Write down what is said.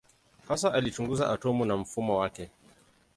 Hasa alichunguza atomu na mfumo wake.